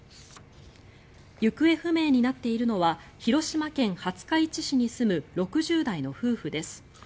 行方不明になっているのは広島県廿日市市に住む６０代の夫婦です。